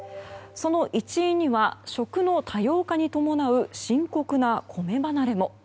その一因には食の多様化に伴う深刻な米離れも。